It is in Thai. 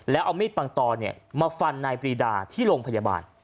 แล้วเอามีดปังตอมาฟันนายปรีดาที่โรงพยาบาล